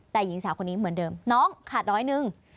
แต่หญิงสาวคนนี้เหมือนเดิมน้องขาดร้อยหนึ่ง